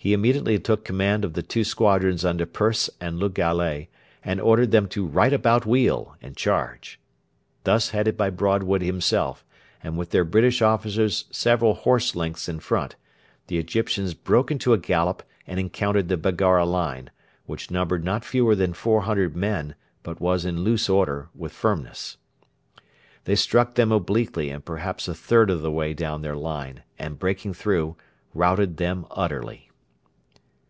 He immediately took command of the two squadrons under Persse and Le Gallais, and ordered them to 'right about wheel' and charge. Thus headed by Broadwood himself, and with their British officers several horse lengths in front, the Egyptians broke into a gallop and encountered the Baggara line, which numbered not fewer than 400 men but was in loose order, with firmness. They struck them obliquely and perhaps a third of the way down their line, and, breaking through, routed them utterly.